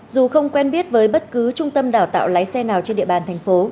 dù không quen biết với bất cứ trung tâm đào tạo lái xe nào trên địa bàn thành phố